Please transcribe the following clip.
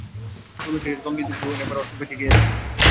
রমেশের কাছে কমলা ইতিপূর্বে অনেক বার অসংকোচে গিয়াছে।